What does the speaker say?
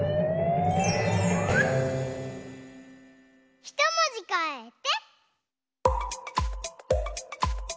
ひともじかえて。